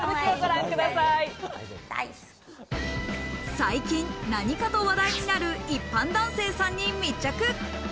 最近、何かと話題になる一般男性さんに密着。